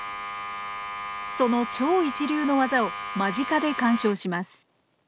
その超一流のわざを間近で鑑賞します。